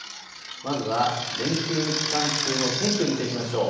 まずは連休期間中の天気を見ていきましょう。